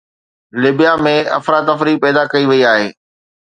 ليبيا ۾ افراتفري پيدا ڪئي وئي آهي.